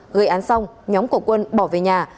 gây án xong nhóm của quân bỏ về nhà